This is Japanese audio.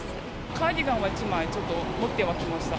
カーディガンは１枚、ちょっと持ってはきました。